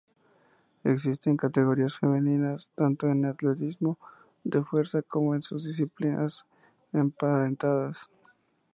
Existen categorías femeninas tanto en el atletismo de fuerza como en sus disciplinas emparentadas.